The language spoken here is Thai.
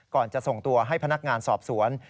ก่อนจะส่งตัวให้พนักงานสอบสวน